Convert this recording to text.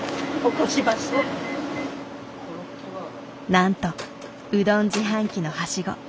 なんとうどん自販機のはしご。